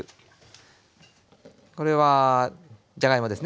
これはじゃがいもですね。